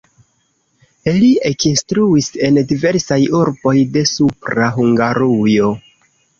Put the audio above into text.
Li ekinstruis en diversaj urboj de Supra Hungarujo.